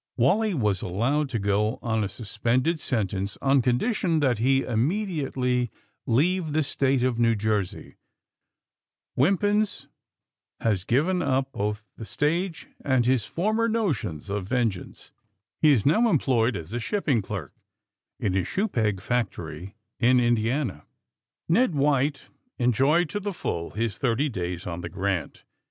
Wally was allowed to go on a suspended sen tence on condition that he immediately leave the State of New Jersey. Wimpins has given up 248 THE SUBMAEINE BOYS both tlie stage and his former notions of ven geance. He is now employed as a shipping clerk in a shoe peg factory in Indiana. Ned White enjoyed to the full his thirty days on the *^ Grant.''